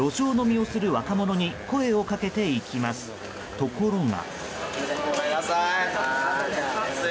ところが。